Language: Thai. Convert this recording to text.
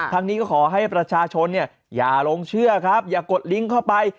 ทางนี้ก็ขอให้ประชาชนอย่าลงเชื่อครับอย่ากดลิงก์เข้าไป